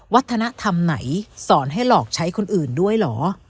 วัฒนธรรมไหนสอนให้หลอกใช้คนอื่นด้วยเหรอ